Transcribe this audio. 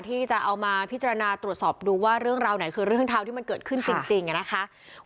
ที่จะเอามาพิจารณาตรวจสอบดูว่าเรื่องราวไหนคือเรื่องเท้าที่มันเกิดขึ้นจริงนะคะ